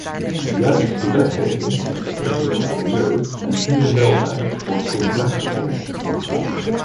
Juist de wetgeving met betrekking tot milieu en dierenwelzijn wordt complex gevonden.